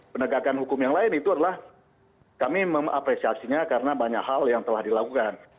penegakan hukum yang lain itu adalah kami mengapresiasinya karena banyak hal yang telah dilakukan